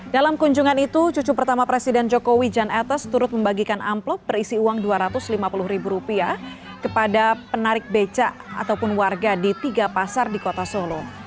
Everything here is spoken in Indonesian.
dalam kunjungan itu cucu pertama presiden jokowi jan etes turut membagikan amplop berisi uang rp dua ratus lima puluh ribu rupiah kepada penarik beca ataupun warga di tiga pasar di kota solo